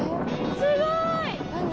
すごい！